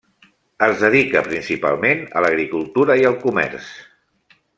Es dedica principalment a l'agricultura i al comerç.